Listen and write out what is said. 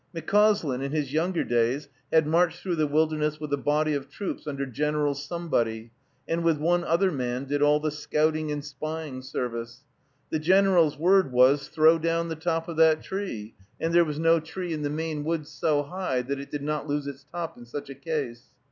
McCauslin, in his younger days, had marched through the wilderness with a body of troops, under General Somebody, and with one other man did all the scouting and spying service. The General's word was, "Throw down the top of that tree," and there was no tree in the Maine woods so high that it did not lose its top in such a case.